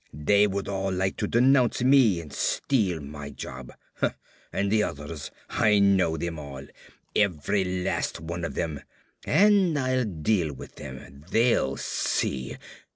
They would all like to denounce me and steal my job! And the others! I know them all, every last one of them and I'll deal with them, they'll see!